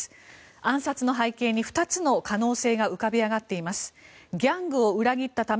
暗殺の背景に２つの可能性が浮かび上がっています。